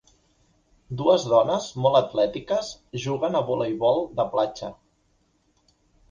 Dues dones, molt atlètiques, juguen a voleibol de platja.